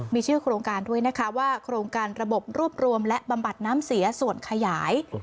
มีชื่อโครงการด้วยนะคะว่าโครงการระบบรวบรวมและบำบัดน้ำเสียส่วนขยาย